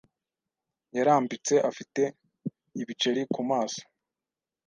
yarambitse, afite ibiceri ku maso. ”